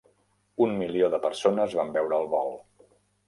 Un milió de persones van veure el vol.